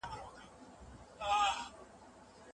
اقتصاد پوهانو تل د پانګونې پر لوړ ارزښت ټينګار کړی دی.